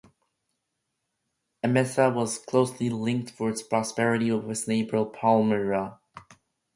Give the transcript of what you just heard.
Emesa was closely linked for its prosperity with its neighbour Palmyra.